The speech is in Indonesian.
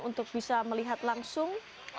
untuk bisa melihat langsung